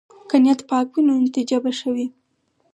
که نیت پاک وي، نو نتیجه به ښه وي.